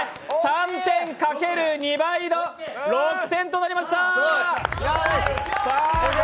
３点掛ける２倍の６点となりました。